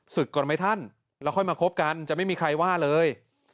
ศึกก่อนมั้ยท่านเราค่อยมาคบกันจะไม่มีใครว่าเลย